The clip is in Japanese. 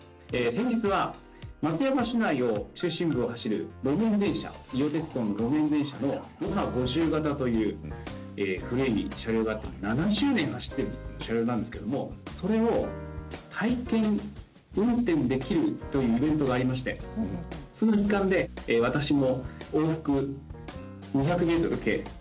先日は松山市内を中心部を走る路面電車伊予鉄道の路面電車のモハ５０型という古い車両があって、７０年走ってる車両なんですけどもそれを体験運転できるというイベントがありましてその一環で私も往復２００ｍ体験させてもらいました。